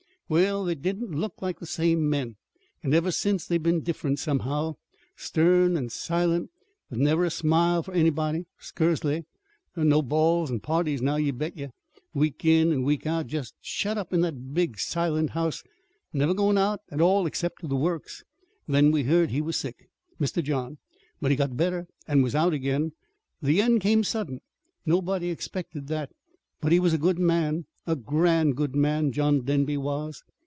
"Well, they didn't look like the same men. And ever since they've been different, somehow. Stern and silent, with never a smile for anybody, skursley. No balls an' parties now, you bet ye! Week in and week out, jest shut up in that big silent house never goin' out at all except to the Works! Then we heard he was sick Mr. John. But he got better, and was out again. The end come sudden. Nobody expected that. But he was a good man a grand good man John Denby was!"